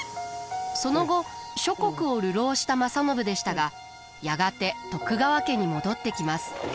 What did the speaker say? その後諸国を流浪した正信でしたがやがて徳川家に戻ってきます。